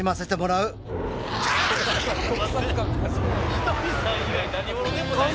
「ひとりさん以外の何物でもないやん」